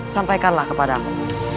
sampaikanlah kepada aku